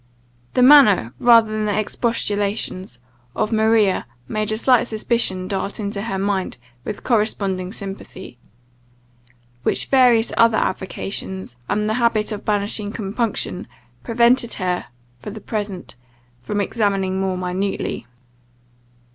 The manner, rather than the expostulations, of Maria made a slight suspicion dart into her mind with corresponding sympathy, which various other avocations, and the habit of banishing compunction, prevented her, for the present, from examining more minutely.